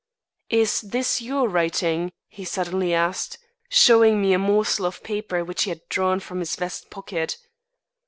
"Is this your writing?" he suddenly asked, showing me a morsel of paper which he had drawn from his vest pocket.